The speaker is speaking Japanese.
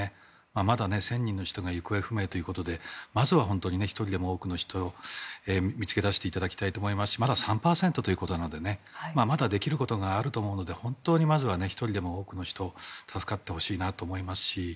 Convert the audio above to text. まだ１０００人の人が行方不明ということでまだ１人でも多くの人を見つけ出していただきたいと思いますしまだ３％ということなのでまだできることがあると思うので本当に１人でも多くの人が助かってほしいと思いますし